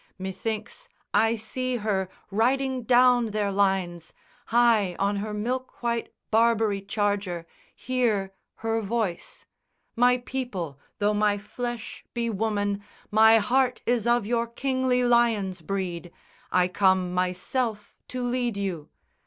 Methinks I see her riding down their lines High on her milk white Barbary charger, hear Her voice 'My people, though my flesh be woman, My heart is of your kingly lion's breed: I come myself to lead you!'